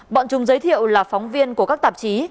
bọn chúng giới thiệu là phóng viên của các tạp chí